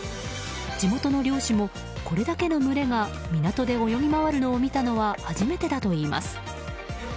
地元の漁師もこれだけの群れが港で泳ぎ回るのを見たのは初めてだといいます。